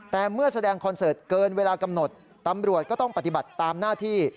แต่เมื่อแสดงคอนเสิร์ตเกินเวลากำหนดตำรวจก็ต้องปฏิบัติตามหน้าที่